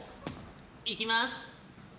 いきます！